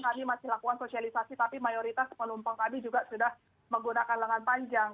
kami masih lakukan sosialisasi tapi mayoritas penumpang kami juga sudah menggunakan lengan panjang